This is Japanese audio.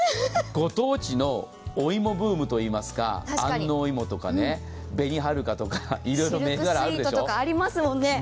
ご当地の芋ブームというか、安納芋とか紅はるかとかいろいろあるでしょう。